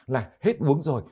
là hết vướng rồi